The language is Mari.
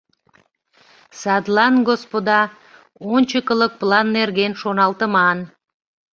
— Садлан, господа, ончыкылык план нерген шоналтыман.